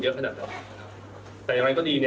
แต่ก็ยังไม่ได้